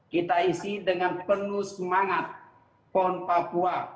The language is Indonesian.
kita isi dengan penuh semangat pon papua